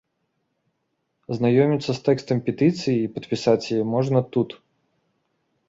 Азнаёміцца з тэкстам петыцыі і падпісаць яе можна тут.